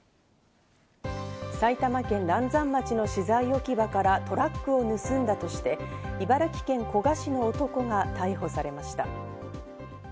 埼玉県嵐山町の資材置き場からトラックを盗んだとして、茨城県古河市の男が逮捕されました。